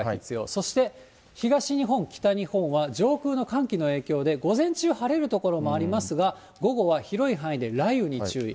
そして東日本、北日本は上空の寒気の影響で、午前中、晴れる所もありますが、午後は広い範囲で雷雨に注意。